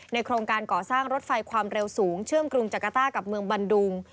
โครงการก่อสร้างรถไฟความเร็วสูงเชื่อมกรุงจักรต้ากับเมืองบันดุง